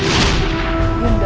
baik gus tira